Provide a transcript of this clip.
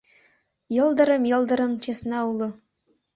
Йылдырым-йылдырым чесна уло